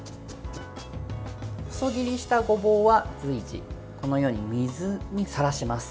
細切りしたごぼうは随時、このように水にさらします。